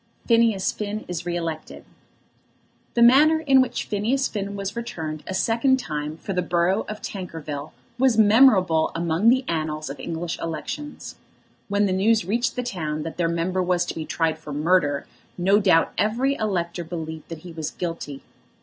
PHINEAS FINN IS RE ELECTED. The manner in which Phineas Finn was returned a second time for the borough of Tankerville was memorable among the annals of English elections. When the news reached the town that their member was to be tried for murder no doubt every elector believed that he was guilty.